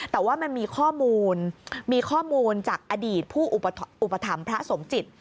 แต่ว่ามันมีข้อมูลจากอดีตผู้อุปถรรมพระสมจิต